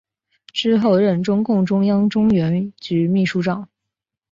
之后任中共中央中原局秘书长。